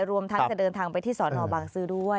รวมทั้งจะเดินทางไปที่สอนอบางซื้อด้วย